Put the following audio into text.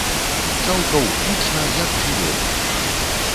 Чаўкаў гучна, як жывёліна.